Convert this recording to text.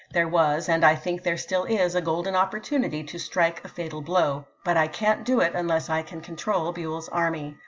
There was, and I think there still is, a golden opportunity to strike a fatal blow, but I can't do it unless I can control Buell's army.